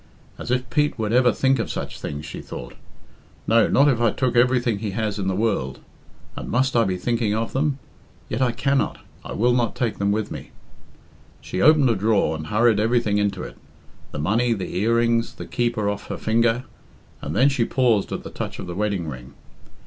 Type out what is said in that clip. "As if Pete would ever think of such things," she thought. "No, not if I took everything he has in the world. And must I be thinking of them?... Yet I cannot I will not take them with me." She opened a drawer and hurried everything into it the money, the earrings, the keeper off her finger, and then she paused at the touch of the wedding ring.